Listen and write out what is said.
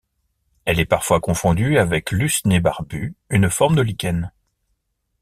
Elle est parfois confondue avec l'usnée barbue, une forme de lichen.